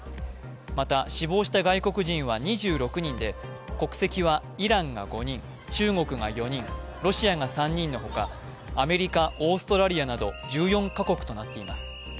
また、死亡した外国人は２６人で国籍はイランが５人、中国が４人、ロシアが３人のほかアメリカ、オーストラリアなど１４か国となっています。